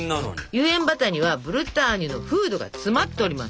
有塩バターにはブルターニュの風土が詰まっております。